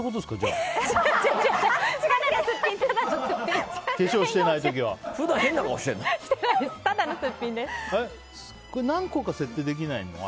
あれ何個か設定できないの？